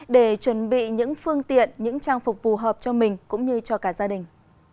để chuẩn bị những phương tiện những trang phục phù hợp cho mình cũng như cho cả gia đình